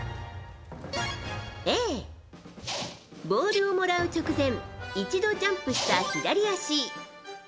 Ａ、ボールをもらう直前一度ジャンプした左足。